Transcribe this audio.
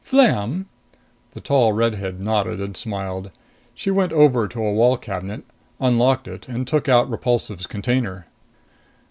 Flam " The tall redhead nodded and smiled. She went over to a wall cabinet, unlocked it and took out Repulsive's container.